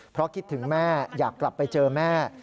เพราะคิดถึงแม่อยากกลับไปเจอแม่